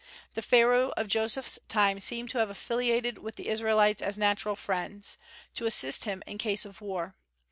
The Pharaoh of Joseph's time seems to have affiliated with the Israelites as natural friends, to assist him in case of war.